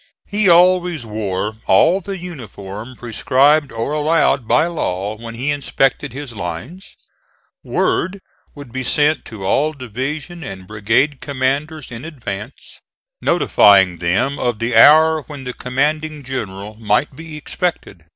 He always wore all the uniform prescribed or allowed by law when he inspected his lines; word would be sent to all division and brigade commanders in advance, notifying them of the hour when the commanding general might be expected.